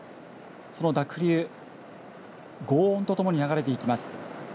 その濁流、ごう音とともに流れていきます。